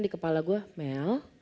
di kepala gue mel